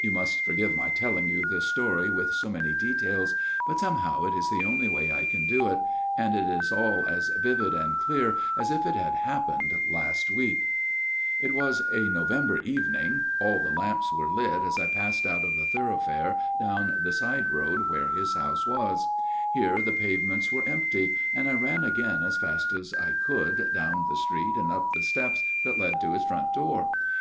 (You must forgive my telling you this story with so many details, but somehow it is the only way I can do it ; it is all as vivid and clear as if it had happened last week. ...) 22 A MIRROR OF SHALOTT " It was a November evening ; all the lamps were lit as I passed out of the thoroughfare down the side road where his house was ; here the pavements were empty, and I ran again as fast as I could down the street and up the steps that led to his front door.